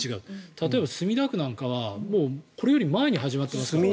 例えば、墨田区なんかはこれより前に始まってますからね。